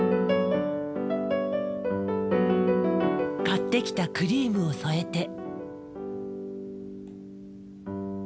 買ってきたクリームを添えて。